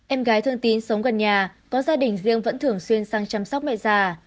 em gái thương tín sống gần nhà có gia đình riêng vẫn thường xuyên sang chăm sóc mẹ già